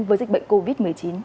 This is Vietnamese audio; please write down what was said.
với dịch bệnh covid một mươi chín